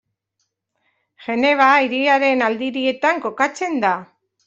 Geneva hiriaren aldirietan kokatzen da.